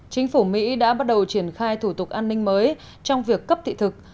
chính phủ mỹ đã bắt đầu triển khai thủ tục an ninh mới trong việc cấp thị thực